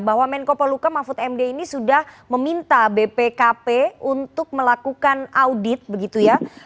bahwa menko poluka mahfud md ini sudah meminta bpkp untuk melakukan audit begitu ya